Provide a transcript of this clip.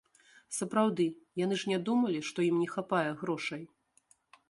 Сапраўды, яны ж не думалі, што ім не хапае грошай?